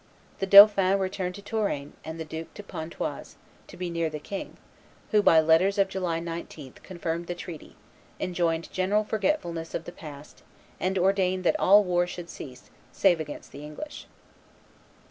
The dauphin returned to Touraine, and the duke to Pontoise, to be near the king, who, by letters of July 19, confirmed the treaty, enjoined general forgetfulness of the past, and ordained that "all war should cease, save against the English."